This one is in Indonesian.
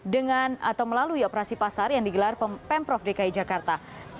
dengan atau melalui operasi pasar yang digelar pemprov dki jakarta